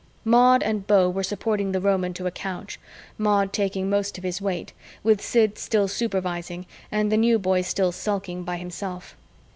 Maud and Beau were supporting the Roman to a couch, Maud taking most of his weight, with Sid still supervising and the New Boy still sulking by himself.